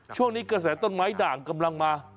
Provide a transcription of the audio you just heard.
ช่วงนี้กระแสต้นไม้ด่างกำลังมา